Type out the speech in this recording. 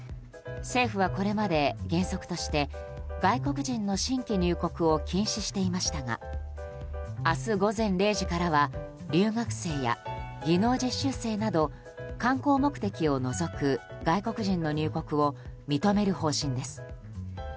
政府は、これまで原則として外国人の新規入国を禁止していましたが明日午前０時からは留学生や技能実習生など観光目的を除く外国人の入国を認める方針です。